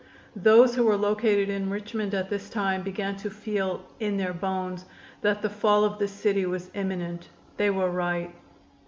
Those who were located in Richmond at this time began to feel "in their bones" that the fall of the city was imminent. They were right.